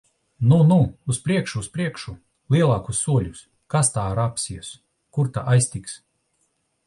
Nu, nu! Uz priekšu! Uz priekšu! Lielākus soļus! Kas tā rāpsies! Kur ta aiztiks!